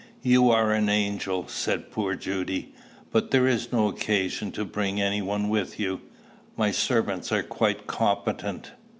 "You are an angel!" said poor Judy. "But there is no occasion to bring any one with you. My servants are quite competent."